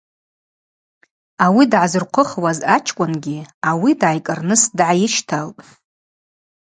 Ари дгӏазырхъвыхуаз ачкӏвынгьи ауи дгӏайкӏырныс дгӏайыщталтӏ.